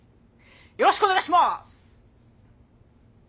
よろしくお願いします。